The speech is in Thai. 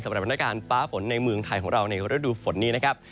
สถานการณ์ฟ้าฝนในเมืองไทยของเราในฤดูฝนนี้นะครับ